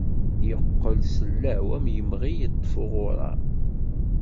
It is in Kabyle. Yeqqel sellaw am yemɣi yeṭṭef uɣurar.